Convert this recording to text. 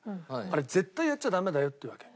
あれ絶対やっちゃダメだよって言うわけ。